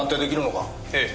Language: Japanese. ええ。